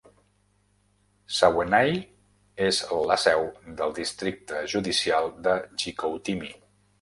Saguenay és la seu del districte judicial de Chicoutimi.